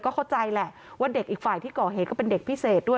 เข้าใจแหละว่าเด็กอีกฝ่ายที่ก่อเหตุก็เป็นเด็กพิเศษด้วย